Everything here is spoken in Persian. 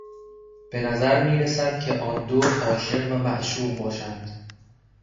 بهنظر میرسد که آندو عاشق و معشوق باشند.